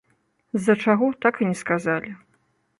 З-за чаго, так і не сказалі.